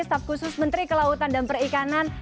staf khusus menteri kelautan dan perikanan